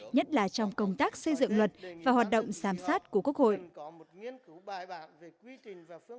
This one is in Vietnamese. nhất là trong công tác xây dựng luật và hoạt động giám sát của quốc hội